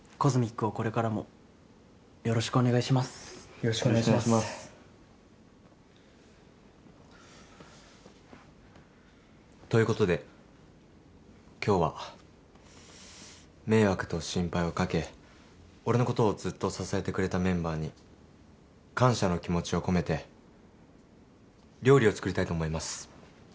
よろしくお願いしますということで今日は迷惑と心配をかけ俺のことをずっと支えてくれたメンバーに感謝の気持ちを込めて料理を作りたいと思いますえっ？